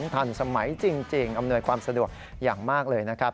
ทันสมัยจริงอำนวยความสะดวกอย่างมากเลยนะครับ